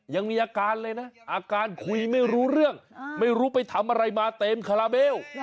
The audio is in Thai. ยังมีอาการเลยนะอาการคุยไม่รู้เรื่องไม่รู้ไปทำอะไรมาเต็มคาราเบล